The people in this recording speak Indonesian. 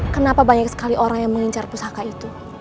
kenapa banyak sekali orang yang mengincar pusaka itu